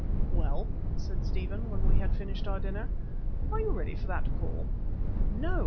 "Well," said Stephen, when we had finished our dinner, "are you ready for that call?" "No!"